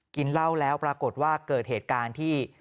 กินเหล้าแล้วปรากฏว่าเกิดเหตุการณ์ที่